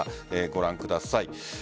ご覧ください。